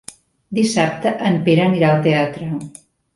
Dissabte en Pere anirà al teatre.